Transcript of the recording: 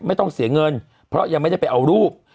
ไม่ต้องเสียเงินเพราะยังไม่ได้ไปเอารูป